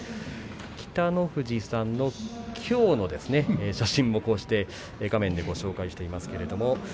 北の富士さんのきょうの写真もこうして画面でご紹介しています。